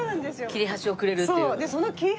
切れ端をくれるっていう。